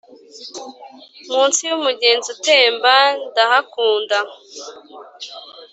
munsi yumugezi utemba ndahakunda,